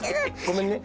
ごめんね。